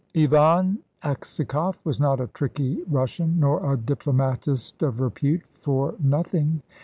Ivan Aksakoff was not a tricky Russian, nor a diplomatist of repute, for nothing.